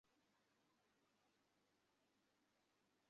আইপিএলে চেন্নাই সুপার কিংসের চোখ ধাঁধানো ধারাবাহিক সাফল্যেও লাগে কালির ছোপ।